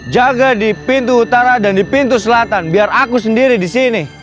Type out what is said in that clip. jaga di pintu utara dan di pintu selatan biar aku sendiri di sini